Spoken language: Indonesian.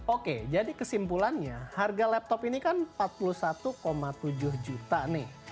oke jadi kesimpulannya harga laptop ini kan empat puluh satu tujuh juta nih